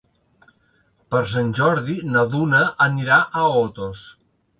Per Sant Jordi na Duna anirà a Otos.